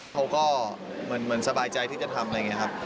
เขาก็เหมือนสบายใจที่จะทำอะไรอย่างนี้ครับ